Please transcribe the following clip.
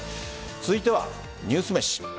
続いてはニュースめし。